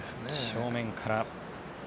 正面から。